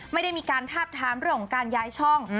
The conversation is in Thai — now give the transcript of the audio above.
ไม่ได้มีการทาบทามเรื่องของการย้ายช่อง